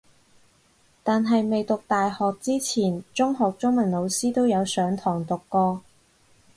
但係未讀大學之前中學中文老師都有上堂讀過